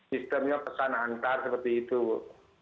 sistemnya pesan antar seperti itu bu